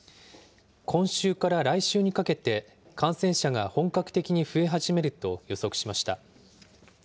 今週から来週にかけて、感染者が本格的に増え始めると予測しました。